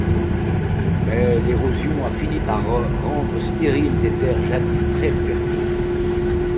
Mais l'érosion a fini par rendre stériles des terres jadis très fertiles.